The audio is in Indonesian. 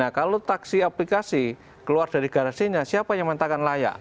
nah kalau taksi aplikasi keluar dari garasinya siapa yang menyatakan layak